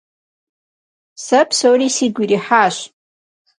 Se psori sigu yirihaş.